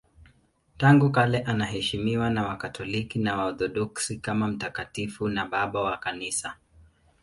Tangu kale anaheshimiwa na Wakatoliki na Waorthodoksi kama mtakatifu na Baba wa Kanisa.